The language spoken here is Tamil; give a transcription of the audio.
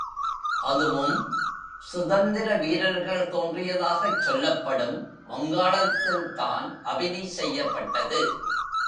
அதுவும் சுதந்திர வீரர்கள் தோன்றியதாகச் சொல்லப்படும் வங்காளத்தில்தான் அபினி செய்யப்பட்டது.